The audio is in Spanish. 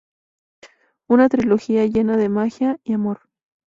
Una trilogía llena de magia y amor.